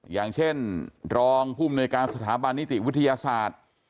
อย่างเช่นรองภูมิหน่วยการสถาบันนิติวิทยาศาสตร์